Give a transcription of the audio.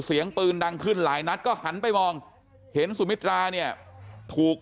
เสียงปืนดังขึ้นหลายนัดก็หันไปมองเห็นสุมิตราเนี่ยถูก